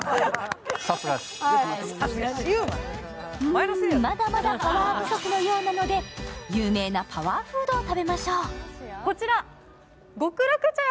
まだまだパワー不足のようなので有名なパワーフードを食べましょう。